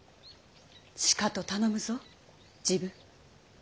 しかと頼むぞ治部。